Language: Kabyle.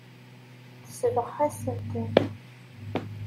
Tesbeɣ-asen-tent.